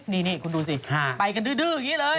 นี่คุณดูสิไปกันดื้ออย่างนี้เลย